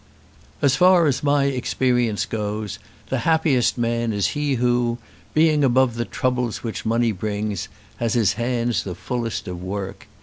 "As far as my experience goes, the happiest man is he who, being above the troubles which money brings, has his hands the fullest of work.